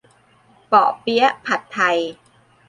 เปาะเปี๊ยะผัดไทย